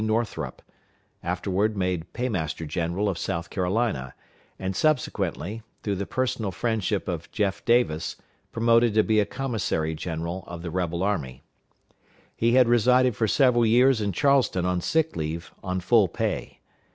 Northrup; afterward made Paymaster general of South Carolina, and subsequently, through the personal friendship of Jeff. Davis, promoted to be Commissary general of the rebel army. He had resided for several years in Charleston on sick leave, on full pay.